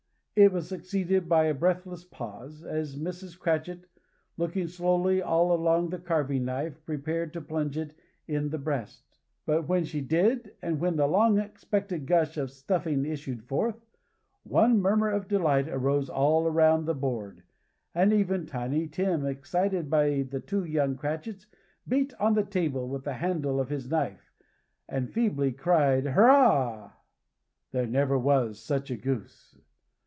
It was succeeded by a breathless pause, as Mrs. Cratchit, looking slowly all along the carving knife, prepared to plunge it in the breast; but when she did, and when the long expected gush of stuffing issued forth, one murmur of delight arose all round the board, and even Tiny Tim, excited by the two young Cratchits, beat on the table with the handle of his knife, and feebly cried Hurrah! There never was such a goose.